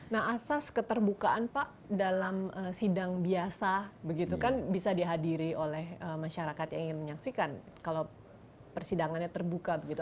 nah asas keterbukaan pak dalam sidang biasa begitu kan bisa dihadiri oleh masyarakat yang ingin menyaksikan kalau persidangannya terbuka begitu